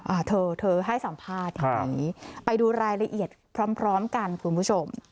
อ่าเธอเธอให้สัมภาษณ์อย่างนี้ไปดูรายละเอียดพร้อมพร้อมกันคุณผู้ชม